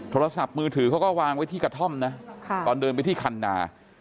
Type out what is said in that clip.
โทรศัพท์มือถือเขาก็วางไว้ที่กระท่อมนะตอนเดินไปที่คันนา